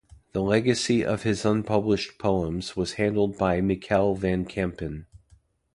The legacy of his unpublished poems was handled by Michiel van Kempen.